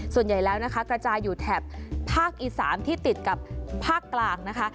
ส่วนใหญ่แล้วนะคะกระจายอยู่แถบภาคอีสานที่ติดกับภาคกลางนะคะ